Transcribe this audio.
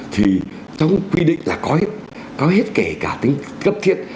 thì trong quy định là có hết có hết kể cả tính cấp thiết